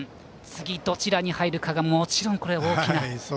次、どちらに入るかがもちろん大きい。